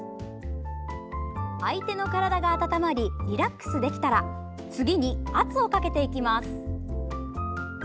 相手の体が温まりリラックスできたら次に圧をかけていきます。